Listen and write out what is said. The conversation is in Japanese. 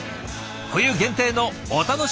冬限定のお楽しみ！